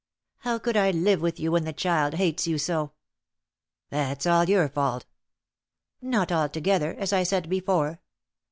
How could I live with you when the child hates you so?" "That's all your fault!" "Not altogether, as I said before.